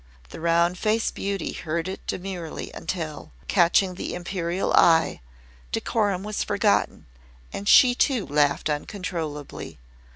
The Round Faced Beauty heard it demurely until, catching the Imperial eye, decorum was forgotten and she too laughed uncontrollably.